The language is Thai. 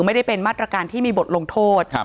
ไม่ได้เป็นมาตรการที่มีบทลงโทษ